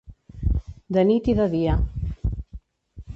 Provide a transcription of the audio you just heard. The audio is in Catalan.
De nit i de dia.